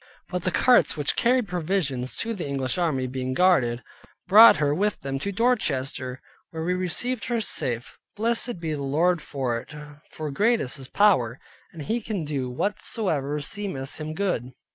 But the carts which carried provision to the English army, being guarded, brought her with them to Dorchester, where we received her safe. Blessed be the Lord for it, for great is His power, and He can do whatsoever seemeth Him good.